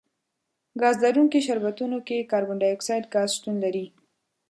ګاز لرونکي شربتونو کې کاربن ډای اکسایډ ګاز شتون لري.